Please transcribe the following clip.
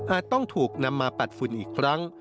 ต้องถูกนำมาปัดฝุ่นอีกครั้ง